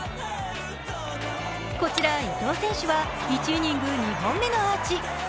こちら伊藤選手は１ニング２本目のアーチ。